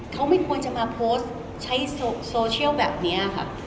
เขาไม่ควรจะมาโพสต์ใช้โซเชียลแบบนี้ค่ะ